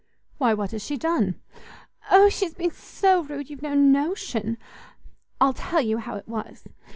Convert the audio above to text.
"Why, what has she done?" "O she's been so rude you've no notion. I'll tell you how it was.